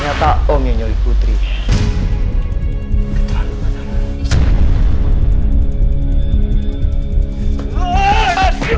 apakah kamu mau disusahkan ngece chocolat viral